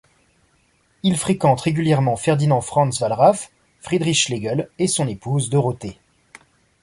Ils fréquentent régulièrement Ferdinand Franz Wallraf, Friedrich Schlegel et son épouse Dorothée.